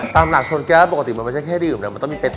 ตามหลักชนแก๊สปกติมันไม่ใช่แค่ดื่มแล้วมันต้องมีเป็ด